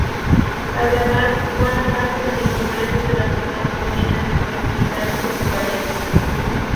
Además, buena parte de los ingresos de la ciudad proviene de su actividad portuaria.